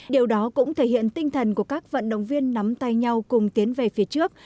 điều đó cũng thể hiện tinh thần của các vận động viên nắm tay nhau cùng tiến về phía trước